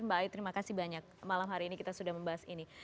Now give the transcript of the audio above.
mbak ayu terima kasih banyak malam hari ini kita sudah membahas ini